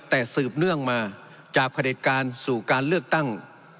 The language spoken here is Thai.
แต่สืบเนื่องมาจากผลิตการสู่การเลือกตั้ง